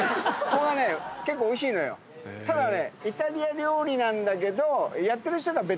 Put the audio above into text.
ただね。